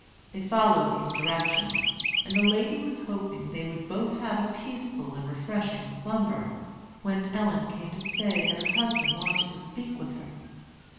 They followed these directions, and the lady was hoping they would both have peaceful and refreshing slumber, when Ellen came to say that her husband wanted to speak with her.